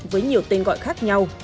với nhiều tên gọi khác nhau